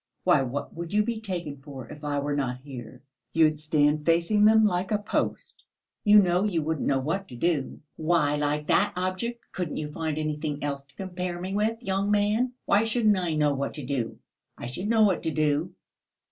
Why, what would you be taken for, if I were not here? You'd stand facing them, like a post, you know you wouldn't know what to do...." "Why like that object? Couldn't you find anything else to compare me with, young man? Why shouldn't I know what to do? I should know what to do."